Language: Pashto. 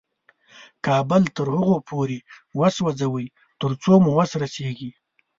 کابل تر هغو پورې وسوځوئ تر څو مو وس رسېږي.